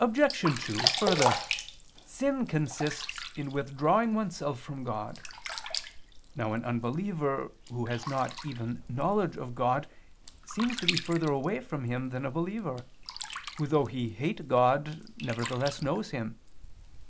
Obj. 2: Further, sin consists in withdrawing oneself from God. Now an unbeliever who has not even knowledge of God seems to be further away from Him than a believer, who though he hate God, nevertheless knows Him.